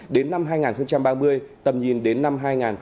đến năm hai nghìn ba mươi tầm nhìn đến năm hai nghìn bốn mươi năm